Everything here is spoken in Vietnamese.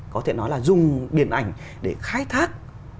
có thể nói là dùng điện ảnh để khai thác